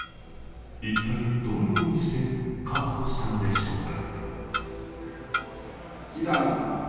一体どのようにして確保したのでしょうか。